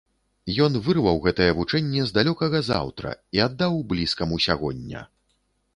Ён вырваў гэтае вучэнне з далёкага заўтра і аддаў блізкаму сягоння.